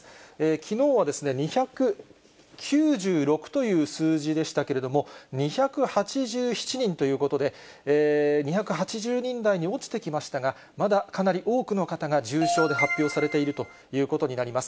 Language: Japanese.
きのうは２９６という数字でしたけれども、２８７人ということで、２８０人台に落ちてきましたが、まだかなり多くの方が、重症で発表されているということになります。